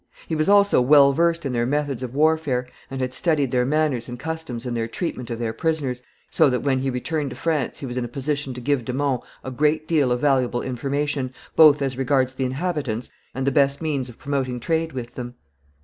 He was also well versed in their methods of warfare and had studied their manners and customs and their treatment of their prisoners, so that when he returned to France he was in a position to give de Monts a great deal of valuable information, both as regards the inhabitants and the best means of promoting trade with them.